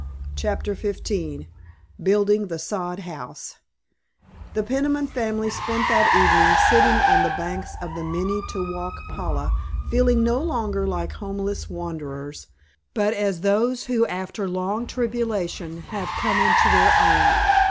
*CHAPTER XV* *BUILDING THE SOD HOUSE* The Peniman family spent that evening sitting on the banks of the Minne to wauk pala, feeling no longer like homeless wanderers, but as those who after long tribulation have come into their own.